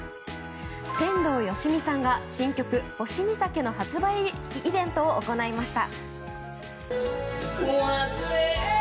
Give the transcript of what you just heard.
天童よしみさんが新曲「星見酒」の発売イベントを行いました。